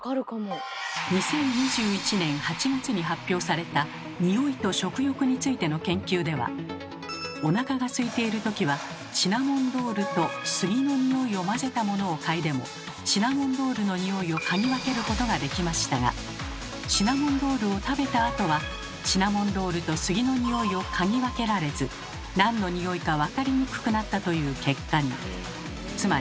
２０２１年８月に発表された匂いと食欲についての研究ではお腹がすいている時はシナモンロールと杉の匂いを混ぜたものを嗅いでもシナモンロールの匂いを嗅ぎ分けることができましたがシナモンロールを食べたあとはシナモンロールと杉の匂いを嗅ぎ分けられず何の匂いか分かりにくくなったという結果に。